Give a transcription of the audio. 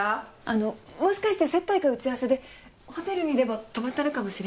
あのもしかして接待か打ち合わせでホテルにでも泊まったのかもしれません。